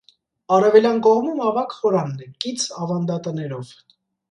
Արևելյան կողմում ավագ խորանն է՝ կից ավանդատներով։